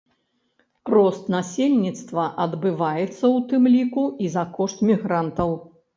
Рост насельніцтва адбываецца ў тым ліку і за кошт мігрантаў.